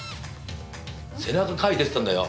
背中かいてって言ったんだよ。